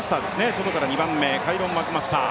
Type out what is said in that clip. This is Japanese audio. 外から２番目、カイロン・マクマスター。